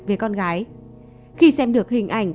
về con gái khi xem được hình ảnh